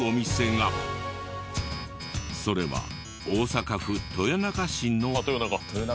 それは大阪府豊中市の。